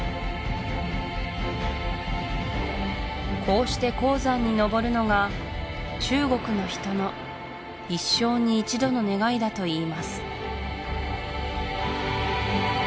こうして黄山にのぼるのが中国の人の一生に一度の願いだといいます